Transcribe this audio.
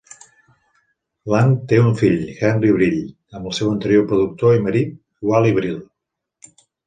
Lamb té un fill, Henry Brill, amb el seu anterior productor i marit, Wally Brill.